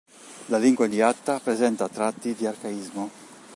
La lingua di Atta presenta tratti di arcaismo.